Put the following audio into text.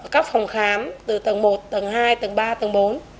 các phòng khám từ tầng một tầng hai tầng ba tầng bốn